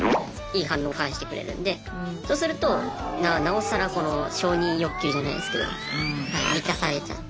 いい反応返してくれるんでそうするとなおさらこの承認欲求じゃないですけど満たされちゃって。